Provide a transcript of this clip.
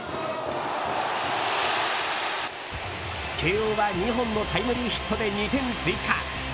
慶應は２本のタイムリーヒットで２点追加。